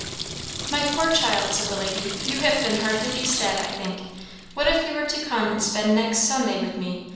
"My poor child!" said the lady "you have been hardly bestead, I think. What if you were to come and spend next Sunday with me?